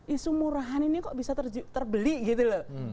isu murahan ini kok bisa terbeli gitu loh